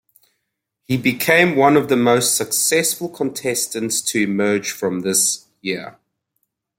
He became one of the most successful contestants to emerge from this year.